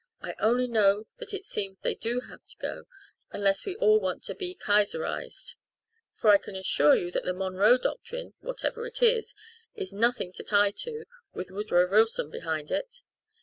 I only know that it seems they do have to go, unless we all want to be Kaiserised for I can assure you that the Monroe doctrine, whatever it is, is nothing to tie to, with Woodrow Wilson behind it.